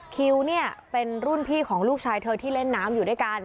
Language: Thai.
คิวเนี่ยเป็นรุ่นพี่ของลูกชายเธอที่เล่นน้ำอยู่ด้วยกัน